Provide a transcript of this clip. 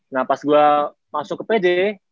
nah pas gue masuk ke pj